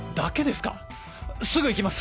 すぐ行きます！